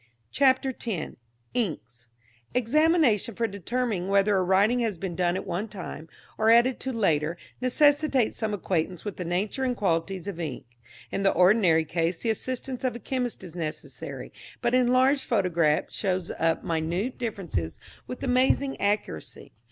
CHAPTER X. INKS. Examination for determining whether a writing has been done at one time, or added to later, necessitates some acquaintance with the nature and qualities of ink. In the ordinary case the assistance of a chemist is necessary, but an enlarged photograph shows up minute differences with amazing accuracy.